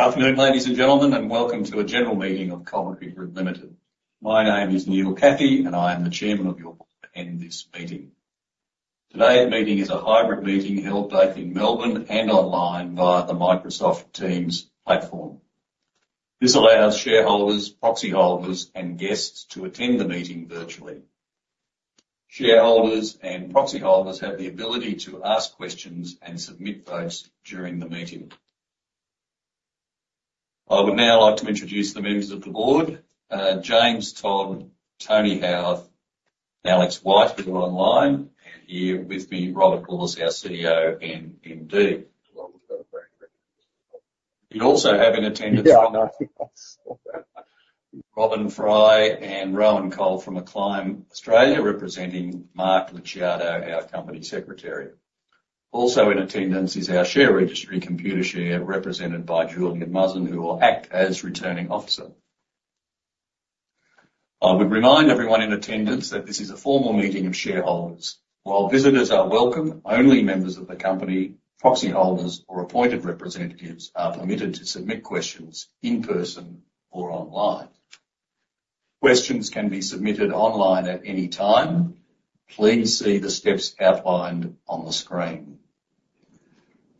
Good afternoon, ladies and gentlemen, and Welcome to a general meeting of Coventry Group Ltd. My name is Neil Cathie, and I am the chairman of your-- in this meeting. Today's meeting is a hybrid meeting held both in Melbourne and online via the Microsoft Teams platform. This allows shareholders, proxy holders, and guests to attend the meeting virtually. Shareholders and proxy holders have the ability to ask questions and submit votes during the meeting. I would now like to introduce the members of the board, James Todd, Tony Howarth, Alex White, who are online, and here with me, Robert Bulluss, our CEO and MD. We also have in attendance Robyn Fry and Rowan Cole from Acclime Australia, representing Mark Licciardo, our company secretary. Also in attendance is our share registry, Computershare, represented by Julian Mazen, who will act as returning officer. I would remind everyone in attendance that this is a formal meeting of shareholders. While visitors are welcome, only members of the company, proxy holders, or appointed representatives are permitted to submit questions in person or online. Questions can be submitted online at any time. Please see the steps outlined on the screen.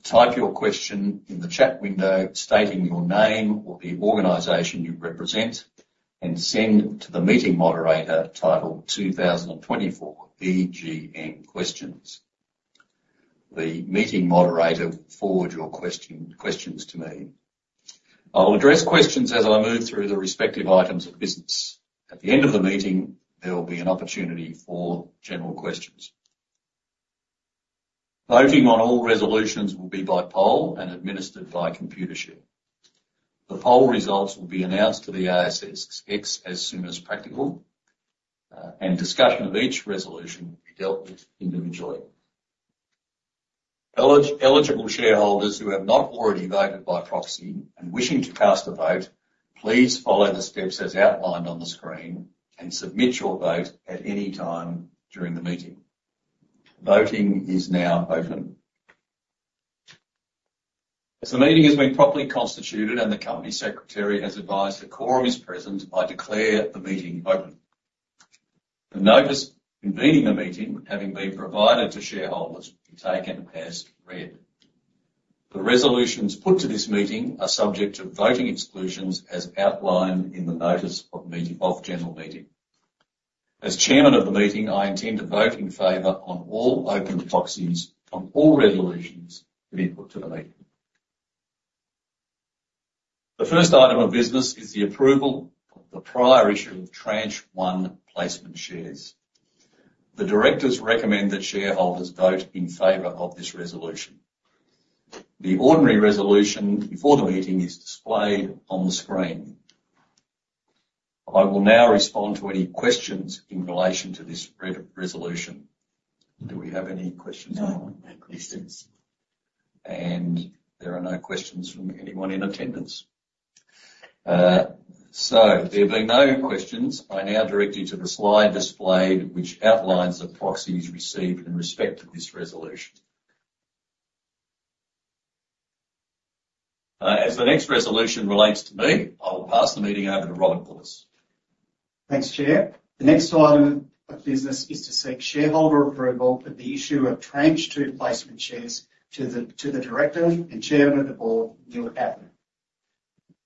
Type your question in the chat window, stating your name or the organization you represent, and send to the meeting moderator titled "2024 EGM Questions." The meeting moderator will forward your question, questions to me. I'll address questions as I move through the respective items of business. At the end of the meeting, there will be an opportunity for general questions. Voting on all resolutions will be by poll and administered by Computershare. The poll results will be announced to the ASX as soon as practical, and discussion of each resolution will be dealt with individually. Eligible shareholders who have not already voted by proxy and wishing to cast a vote, please follow the steps as outlined on the screen and submit your vote at any time during the meeting. Voting is now open. As the meeting has been properly constituted and the company secretary has advised a quorum is present, I declare the meeting open. The notice convening the meeting, having been provided to shareholders, be taken as read. The resolutions put to this meeting are subject to voting exclusions, as outlined in the notice of general meeting. As Chairman of the meeting, I intend to vote in favor on all open proxies on all resolutions being put to the meeting. The first item of business is the approval of the prior issue of Tranche 1 placement shares. The directors recommend that shareholders vote in favor of this resolution. The ordinary resolution before the meeting is displayed on the screen. I will now respond to any questions in relation to this resolution. Do we have any questions online? No, no questions. There are no questions from anyone in attendance. So there being no questions, I now direct you to the slide displayed, which outlines the proxies received in respect of this resolution. As the next resolution relates to me, I will pass the meeting over to Robert Bulluss. Thanks, Chair. The next item of business is to seek shareholder approval for the issue of Tranche 2 placement shares to the director and chairman of the board, Neil Cathie.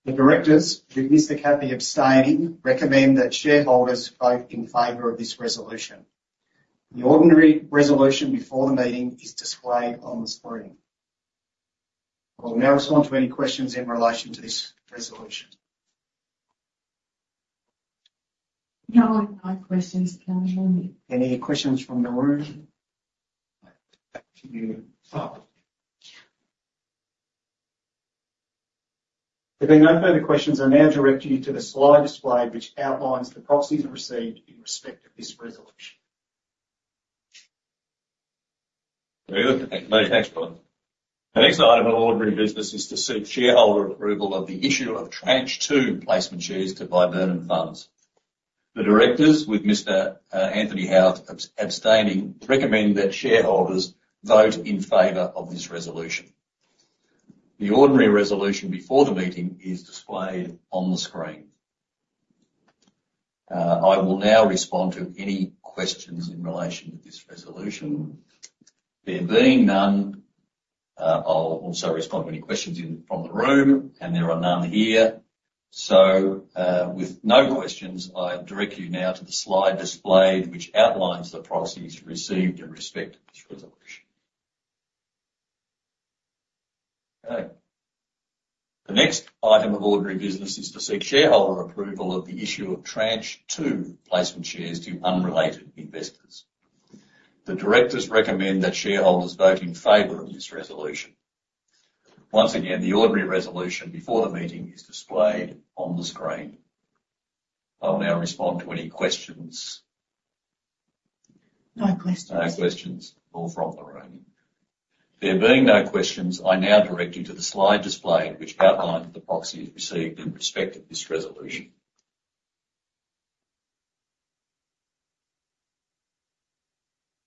The directors, with Mr. Cathie abstaining, recommend that shareholders vote in favor of this resolution. The ordinary resolution before the meeting is displayed on the screen. I will now respond to any questions in relation to this resolution. No, no questions, Chairman. Any questions from the room? Back to you. There being no further questions, I now direct you to the slide displayed, which outlines the proxies received in respect of this resolution. Very good. Thank you. Thanks, Robert. The next item of ordinary business is to seek shareholder approval of the issue of Tranche 2 placement shares to Viburnum Funds. The directors, with Mr. Tony Howarth abstaining, recommend that shareholders vote in favor of this resolution. The ordinary resolution before the meeting is displayed on the screen. I will now respond to any questions in relation to this resolution. There being none, I'll also respond to any questions in, from the room, and there are none here. So, with no questions, I direct you now to the slide displayed, which outlines the proxies received in respect of this resolution. Okay. The next item of ordinary business is to seek shareholder approval of the issue of Tranche two placement shares to unrelated investors. The directors recommend that shareholders vote in favor of this resolution. Once again, the ordinary resolution before the meeting is displayed on the screen. I will now respond to any questions. No questions. No questions from the room. There being no questions, I now direct you to the slide displayed, which outlines the proxies received in respect of this resolution.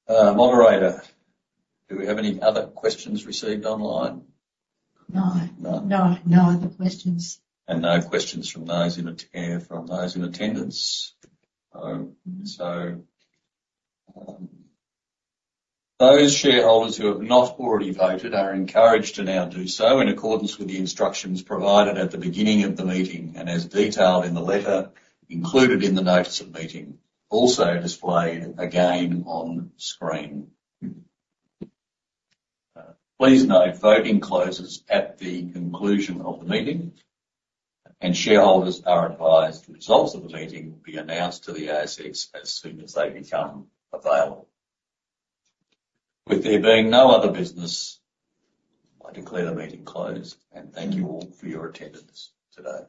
Moderator, do we have any other questions received online? No. No. No, no other questions. No questions from those in attendance. Those shareholders who have not already voted are encouraged to now do so in accordance with the instructions provided at the beginning of the meeting, and as detailed in the letter included in the notice of meeting, also displayed again on screen. Please note, voting closes at the conclusion of the meeting, and shareholders are advised the results of the meeting will be announced to the ASX as soon as they become available. With there being no other business, I declare the meeting closed, and thank you all for your attendance today.